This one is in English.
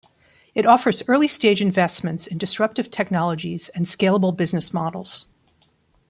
It offers early-stage investments in disruptive technologies and scalable business models.